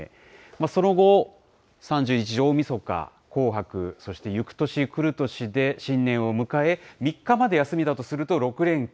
その後、３１大みそか、紅白、そしてゆく年くる年で新年を迎え、３日まで休みだとすると６連休。